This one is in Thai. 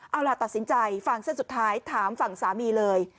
เอาล่ะตัดสินใจฟังเส้นสุดท้ายถามฝั่งสามีเลย